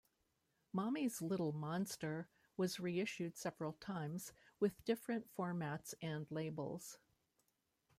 "Mommy's Little Monster" was reissued several times, with different formats and labels.